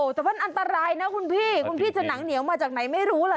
แต่มันอันตรายนะคุณพี่คุณพี่จะหนังเหนียวมาจากไหนไม่รู้ล่ะ